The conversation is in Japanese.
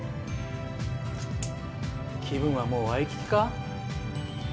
気分はもうワイキキか？